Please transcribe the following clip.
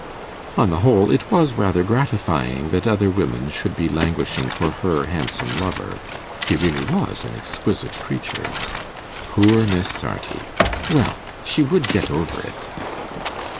On the whole, it was rather gratifying that other women should be languishing for her handsome lover; he really was an exquisite creature. Poor Miss Sarti! Well, she would get over it.